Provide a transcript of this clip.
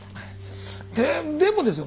でもですよ